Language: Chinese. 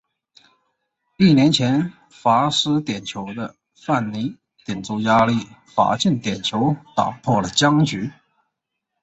一年前罚失点球的范尼顶住压力罚进点球打破了僵局。